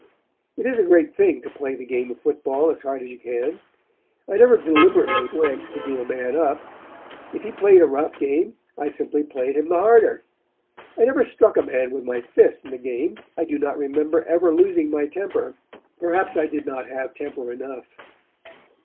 "It is a great thing to play the game of football as hard as you can. I never deliberately went to do a man up. If he played a rough game, I simply played him the harder. I never struck a man with my fist in the game. I do not remember ever losing my temper. Perhaps I did not have temper enough.